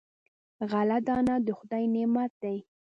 غله دانه د خدای نعمت دی.